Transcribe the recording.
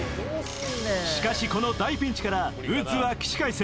しかし、この大ピンチからウッズは起死回生。